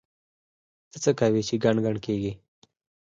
ته څه کوې چې ګڼ ګڼ کېږې؟!